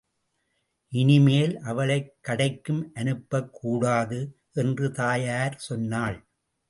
இனிமேல், அவளைக் கடைக்கும் அனுப்பக் கூடாது! என்று தாயார் சொன்னாள்.